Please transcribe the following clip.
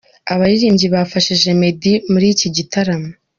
Abaririmbyi bafashije Meddy muri iki gitaramo.